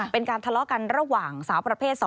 เป็นการทะเลาะกันระหว่างสาวประเภท๒